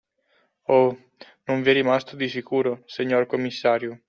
Oh, non vi è rimasto di sicuro, señor commissario.